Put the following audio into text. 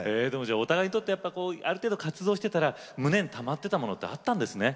お互いにとってやっぱこうある程度活動してたら胸にたまってたものってあったんですね。